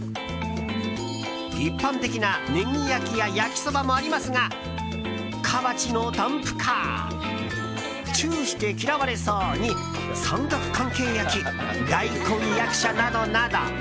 一般的な、ねぎ焼や焼きそばもありますが河内のダンプカーチューして嫌われそうに三角関係焼大根役者などなど。